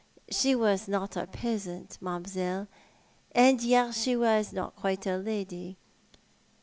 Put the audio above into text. She was not a peasant, mam'selle, and yet she was not quite a lady.